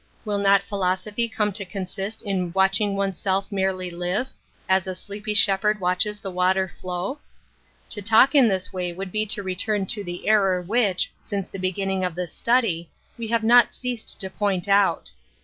Will not phi losophy come to consist in watching oneself / An Introduction to f merely live, " ae a sleepy shepherd watches the water flow"?^ To talk in this way would be to return to the error which, since the beginning of this study, we have not ceased to point out.